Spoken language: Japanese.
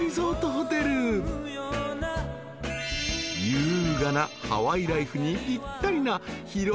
［優雅なハワイライフにぴったりな］